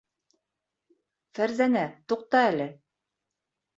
Фәрзәнә, туҡта әле!